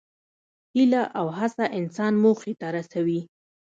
هیله او هڅه انسان موخې ته رسوي.